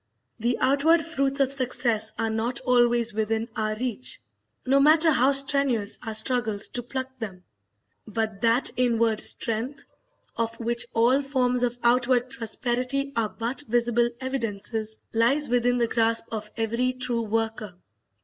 The outward fruits of success are not always within our reach, no matter how strenuous our struggles to pluck them; but that inward strength, of which all forms of outward prosperity are but visible evidences, lies within the grasp of every true worker.